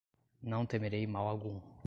não temerei mal algum.